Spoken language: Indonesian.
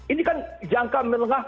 ini kan jangka melengah